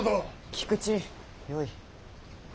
菊池よい。